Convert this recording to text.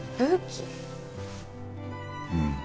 うん。